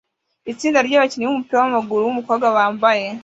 Itsinda ryabakinnyi bumupira wamaguru wumukobwa bambaye